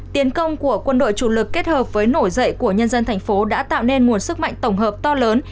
tiến công của quân đội chủ lực kết hợp với nổi dậy của nhân dân thành phố đã tạo nên nguồn sức mạnh tổng hợp to lớn